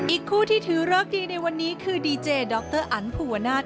อีกคู่ที่ถือเลิกดีในวันนี้คือดีเจดรอันภูวนาศ